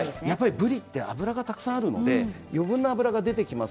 ぶりは脂がたくさんあるので余分な脂が出てきます